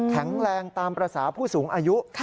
แข็งแรงตามภาษาผู้สูงอายุ